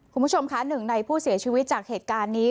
คุณผู้ชมค่ะหนึ่งในผู้เสียชีวิตจากเหตุการณ์นี้